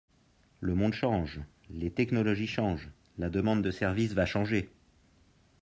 Le monde change, les technologies changent, la demande de services va changer.